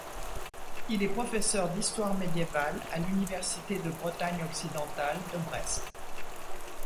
Il est professeur d'histoire médiévale à l'université de Bretagne occidentale de Brest.